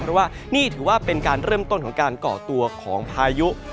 เพราะว่านี่ถือว่าเป็นการเริ่มต้นของการก่อตัวของพายุ